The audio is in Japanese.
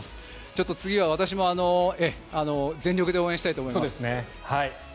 ちょっと次は私も全力で応援したいと思います。